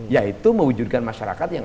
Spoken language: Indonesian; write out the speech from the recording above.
yaitu mewujudkan masyarakat yang